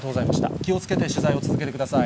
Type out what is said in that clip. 気をつけて取材を続けてください。